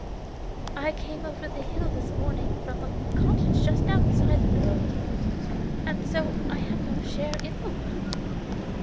" I came over the hill this morning from a cottage just outside the world, and so I have no share in the world.